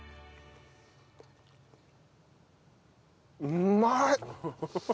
うまい！